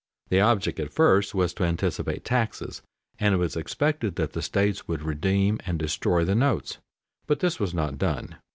The object at first was to anticipate taxes, and it was expected that the states would redeem and destroy the notes, but this was not done.